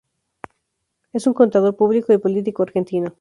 Es un contador público y político argentino.